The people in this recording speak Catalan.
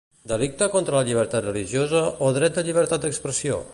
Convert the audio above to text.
Delicte contra la llibertat religiosa o dret de llibertat d'expressió?